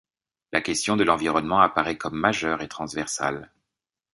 La question de l’environnement apparaît comme majeure et transversale.